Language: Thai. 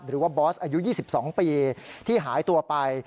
หรือว่าบอสอายุ๒๒ปีที่หายตัวไป